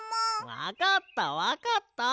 わかったわかった。